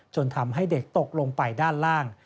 ทำให้เด็กตกลงไปด้านล่าง